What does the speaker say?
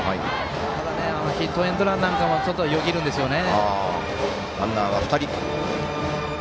ただ、ヒットエンドランなんかもちょっと、よぎるんですよね。